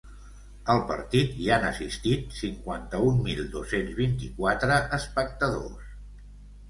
Al partit, hi han assistit cinquanta-un mil dos-cents vint-i-quatre espectadors.